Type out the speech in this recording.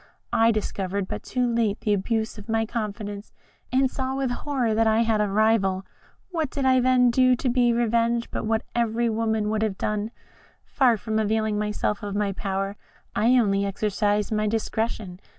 I discovered but too late the abuse of my confidence, and saw with horror that I had a rival. What did I then do to be revenged, but what every woman would have done? Far from availing myself of my power, I only exercised my discretion.